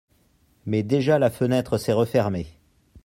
Mais déjà la fenêtre s’est refermée.